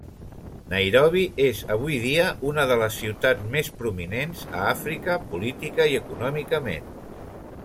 Nairobi és avui dia una de les ciutats més prominents a Àfrica política i econòmicament.